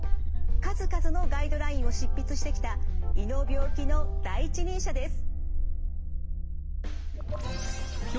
数々のガイドラインを執筆してきた胃の病気の第一人者です。